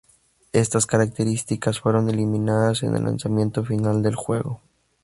Estas características fueron eliminadas en el lanzamiento final del juego.